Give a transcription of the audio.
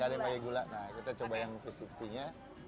gak ada yang pakai gula nah kita coba yang lima enam puluh nya